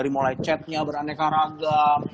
mulai chatnya beraneka ragam